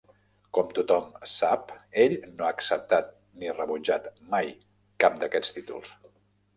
Com tothom sap, ell no ha acceptat ni rebutjat mai cap d'aquests títols.